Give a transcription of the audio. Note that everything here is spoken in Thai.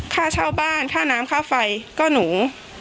ค่าเช่าบ้านค่าน้ำค่าไฟก็หนู